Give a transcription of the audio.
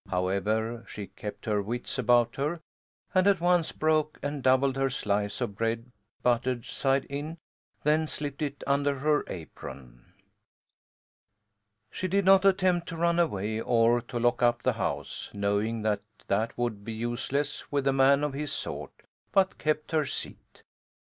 However, she kept her wits about her, and at once broke and doubled her slice of bread buttered side in then slipped it under her apron. She did not attempt to run away or to lock up the house, knowing that that would be useless with a man of his sort; but kept her seat.